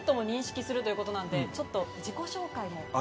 するということなんでちょっと自己紹介を。